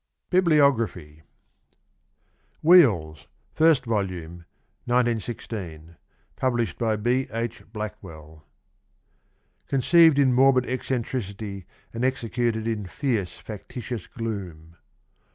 101 BIBLIOGRAPHY. WHEELS. 1st volume, 1916. Published by B. H. Blackwell. Conceived in morbid eccentricity and executed in fierce factitious gloom.